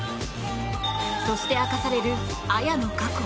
そして明かされる彩の過去。